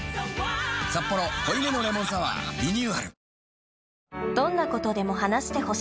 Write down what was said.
「サッポロ濃いめのレモンサワー」リニューアル